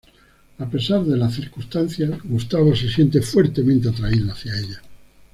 A pesar de las circunstancias, Gustavo se siente fuertemente atraído hacia ella.